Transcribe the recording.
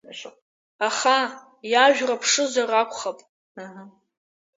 Аха, иажәра ԥшызар акәхап…